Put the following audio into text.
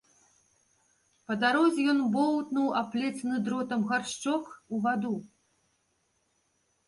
Па дарозе ён боўтнуў аплецены дротам гаршчок у ваду.